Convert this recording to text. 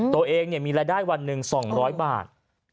ตัวเองมีรายได้วันหนึ่ง๒๐๐บาท